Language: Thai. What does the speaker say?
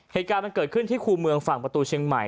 เหตุการณ์มันเกิดขึ้นที่คู่เมืองฝั่งประตูเชียงใหม่